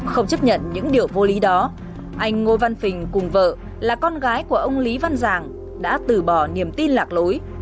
không chấp nhận những điều vô lý đó anh ngô văn phình cùng vợ là con gái của ông lý văn giàng đã từ bỏ niềm tin lạc lối